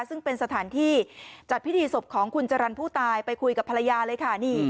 ซึ่งเป็นสถานที่จัดพิธีศพของคุณจรรย์ผู้ตายไปคุยกับภรรยาเลยค่ะ